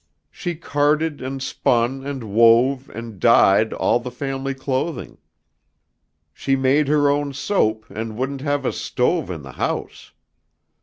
She carded and spun and wove and dyed all the family clothing. She made her own soap and wouldn't have a stove in the house.